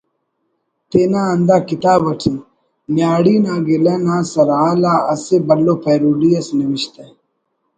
تینا ہندا کتاب اٹی ''نیاڑی نا گلہ'' نا سرحال آ اسہ بھلو پیروڈی اس نوشتہ